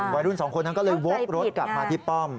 วัยรุ่นสองคนนั้นก็เลยวกรถกลับมาที่ป้อม